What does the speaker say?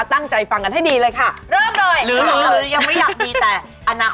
ตั้งใจฟังกันให้ดีเลยค่ะ